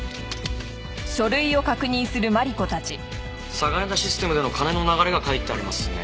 サガネダ・システムでの金の流れが書いてありますね。